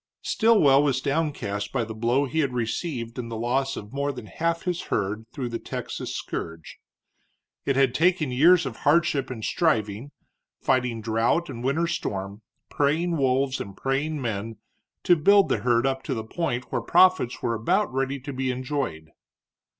Stilwell was downcast by the blow he had received in the loss of more than half his herd through the Texas scourge. It had taken years of hardship and striving, fighting drouth and winter storm, preying wolves and preying men, to build the herd up to the point where profits were about ready to be enjoyed.